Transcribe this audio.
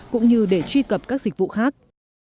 cũng như để truy cập các dịch vụ khác